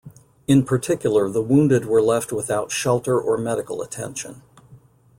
In particular, the wounded were left without shelter or medical attention.